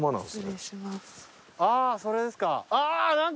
あぁーそれですか。